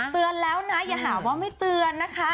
เตือนแล้วนะอย่าหาว่าไม่เตือนนะคะ